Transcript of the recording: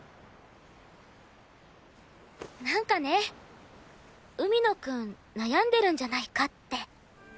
なんかね海野くん悩んでるんじゃないかって。